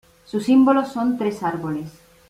Su símbolo son tres árboles.